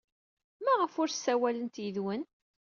Maɣef ur ssawalent ed yiwen?